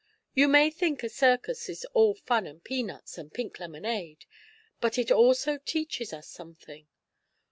You may think a circus is all fun and peanuts and pink lemonade, but it also teaches us something.